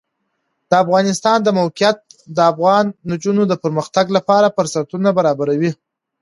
د افغانستان د موقعیت د افغان نجونو د پرمختګ لپاره فرصتونه برابروي.